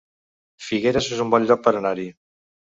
Figueres es un bon lloc per anar-hi